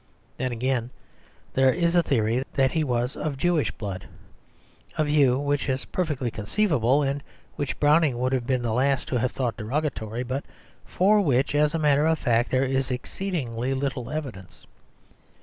Then, again, there is a theory that he was of Jewish blood; a view which is perfectly conceivable, and which Browning would have been the last to have thought derogatory, but for which, as a matter of fact, there is exceedingly little evidence.